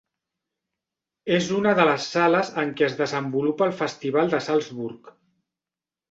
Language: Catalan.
És una de les sales en què es desenvolupa el Festival de Salzburg.